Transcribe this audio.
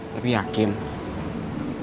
tapi yakin lo gak mau cerita aja